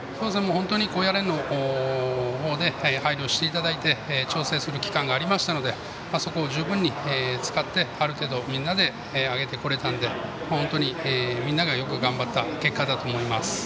本当に高野連の方で配慮していただいて調整する期間がありましたのでそこを十分に使ってある程度、みんなで上げてこれたので本当にみんながよく頑張った結果だと思います。